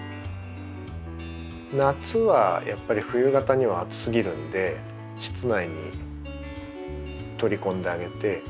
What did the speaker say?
夏はやっぱり冬型には暑すぎるんで室内に取り込んであげて。